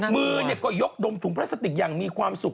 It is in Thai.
มือก็ยกดมถุงพลาสติกอย่างมีความสุข